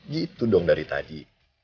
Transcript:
gitu dong dari tadi